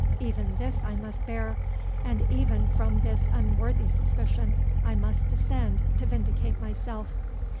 Even this I must bear, and even from this unworthy suspicion I must descend to vindicate myself.